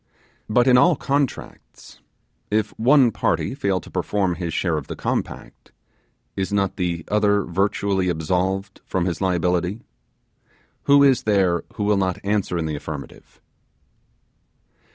But in all contracts, if one party fail to perform his share of the compact, is not the other virtually absolved from his liability? Who is there who will not answer in the affirmative?